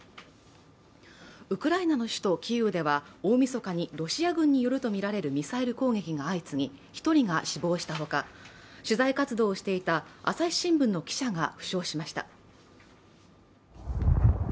ウクライナの首都キーウでは大みそかにロシア軍によるとみられるミサイル攻撃が相次ぎ、１人が死亡したほか取材活動をしていた朝日新聞の記者が負傷しました。